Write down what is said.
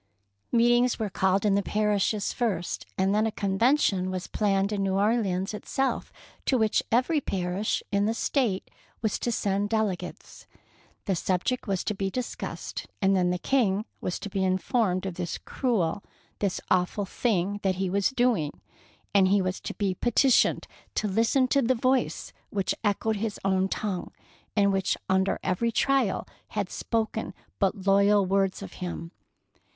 Meetings were called in the parishes 13 193 DEEDS OF DARING first, rand then a convention was planned in New Orleans itself, to which every parish in the State was to send delegates. The subject was to be dis cussed, and then the King was to be informed of this cruel, this awful thing that he was doing, and he was to be petitioned to listen to the voice which echoed his own tongue, and which under every trial had spoken but loyal words of him.